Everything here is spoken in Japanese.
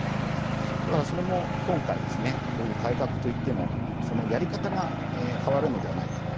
だから、それも今回改革といってもそのやり方が変わるのではないか。